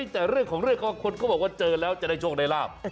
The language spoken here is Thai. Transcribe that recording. แต่เรื่องของเรื่องคนเขาบอกว่าเจอแล้วจะได้โชคได้ลาบ